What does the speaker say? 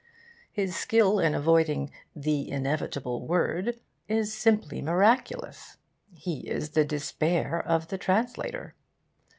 His skill in avoiding 'the inevitable word' is simply miraculous. He is the despair of the translator.